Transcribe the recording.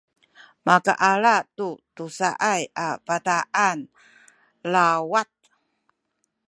makaala tu tusa a bataan lawat